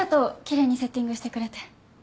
きれいにセッティングしてくれて。